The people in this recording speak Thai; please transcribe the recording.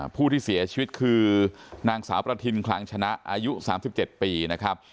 ผู้ที่เสียชีวิตคือนางสาวประทินคลังชนะอายุ๓๗ปีนะครับ